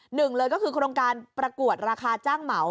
หนึ่งเลยก็คือโครงการประกวดราคาจ้างเหมา